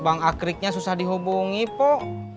bang akriknya susah dihubungi pak